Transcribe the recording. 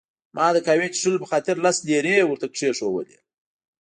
ما د قهوې څښلو په خاطر لس لیرې ورته کښېښوولې.